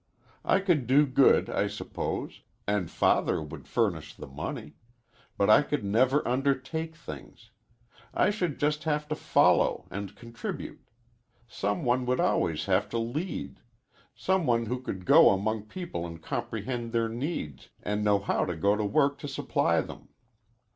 I could do good, I suppose, and Father would furnish the money. But I could never undertake things. I should just have to follow, and contribute. Some one would always have to lead. Some one who could go among people and comprehend their needs, and know how to go to work to supply them.